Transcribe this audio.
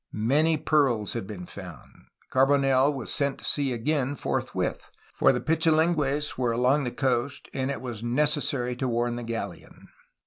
Many pearls had been found. Carbonel was sent to sea again forthwith, for the Pichilingues were along the coast and it was necessary to warn the galleon.